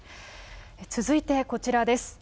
続いてこちらです。